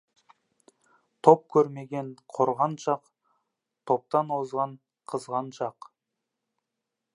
Топ көрмеген — қорғаншақ, топтан озған — қызғаншақ.